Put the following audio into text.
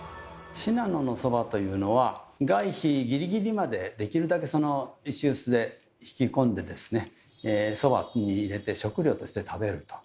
信濃のそばというのは外皮ギリギリまでできるだけ石臼でひきこんでそばに入れて食料として食べると。